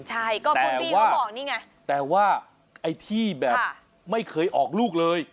ใช่ก็คุณบี้เขาบอกนี่ไงแต่ว่าไอ้ที่แบบไม่เคยออกลูกเลย